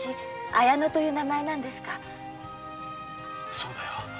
そうだよ。